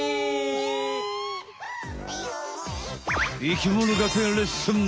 生きもの学園レッスン！